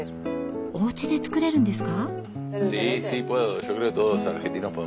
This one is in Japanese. おうちで作れるんですか？